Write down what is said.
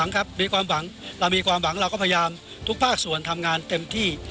ในความหวังเราก็พยายามทุกภาคส่วนทำงานเต็มที่